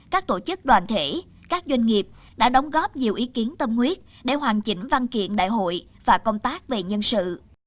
các tổ chức đoàn thể các doanh nghiệp đã đóng góp nhiều ý kiến tâm huyết để hoàn chỉnh văn kiện đại hội và công tác về nhân sự